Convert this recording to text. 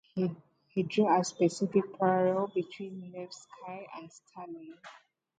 He drew a specific parallel between Nevsky and Stalin.